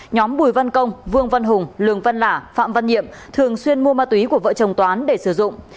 nhóm bùi văn công vương văn hùng lường văn lả phạm văn nhiệm thường xuyên mua ma túy của vợ chồng toán để sử dụng